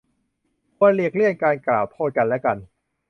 ควรหลีกเลี่ยงการกล่าวโทษกันและกัน